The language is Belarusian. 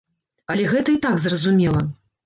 Але гэта і так зразумела.